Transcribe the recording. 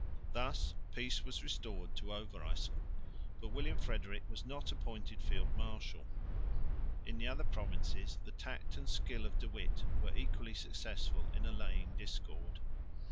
Thus peace was restored to Overyssel, but William Frederick was not appointed field marshal. In the other provinces the tact and skill of De Witt were equally successful in allaying discord.